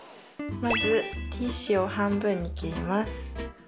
まずティッシュを半分に切ります。